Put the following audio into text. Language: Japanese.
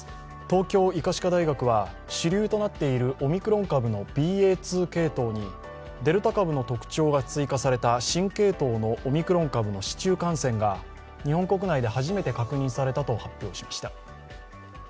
東京医科歯科大学は主流となっているオミクロン株のＢＡ．２系統にデルタ株の特徴が追加された新系統のオミクロン株の市中感染が日本国内で初めて確認されたと発表しました。